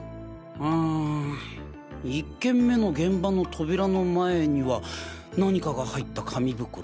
うん１件目の現場の扉の前には何かが入った紙袋。